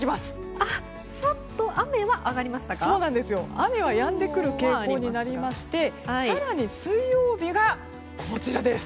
雨はやんでくる傾向でして更に水曜日がこちらです。